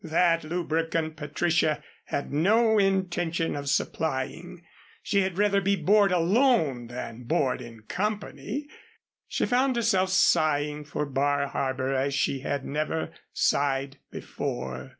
That lubricant Patricia had no intention of supplying. She had rather be bored alone than bored in company. She found herself sighing for Bar Harbor as she had never sighed before.